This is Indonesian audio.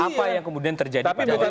apa yang kemudian terjadi pada orang lain